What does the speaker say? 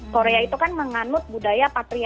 korea itu kan menganut budaya patriarki ya